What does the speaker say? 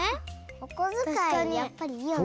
おこづかいやっぱりいいよね。